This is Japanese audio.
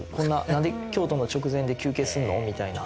なんで京都の直前で休憩するの？みたいな。